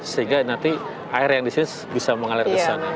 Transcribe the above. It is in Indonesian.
sehingga nanti air yang disini bisa mengalir kesana